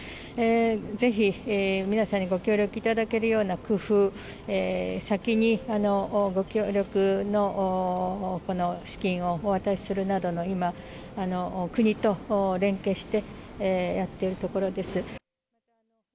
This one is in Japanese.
ぜひ、皆さんにご協力いただけるような工夫、先にご協力のこの資金をお渡しするなどの、今、国と連携してやっているところです。